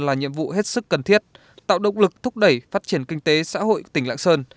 là nhiệm vụ hết sức cần thiết tạo động lực thúc đẩy phát triển kinh tế xã hội tỉnh lạng sơn